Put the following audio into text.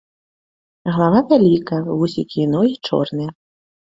Галава вялікая, вусікі і ногі чорныя.